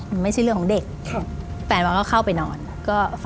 มันไม่ใช่เรื่องของเด็ก